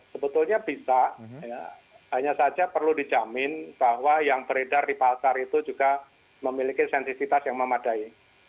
sebetulnya bisa hanya saja perlu dijamin bahwa yang beredar di pasar itu juga memiliki sensitivitas yang memadai